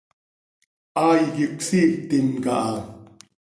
Hai quih cösiictim caha.